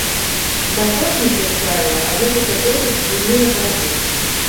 Да апошніх як правіла адносяцца досыць буйныя гарады.